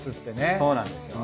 そうなんです。